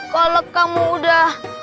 kalau kamu udah